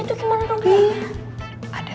itu gimana rumahnya